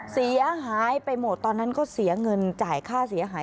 เสียหายไปหมดตอนนั้นก็เสียเงินจ่ายค่าเสียหาย